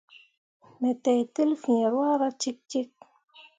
Me teitel fiŋ ruahra cikcik.